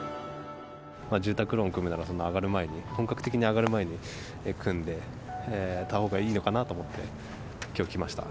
住宅ローン組むなら、そんな上がる前に、本格的に上がる前に組んでたほうがいいのかなと思って、きょうは来ました。